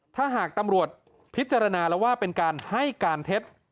ถ้าหากตำรวจพิจารณาแล้วว่าเป็นการให้การเท็จ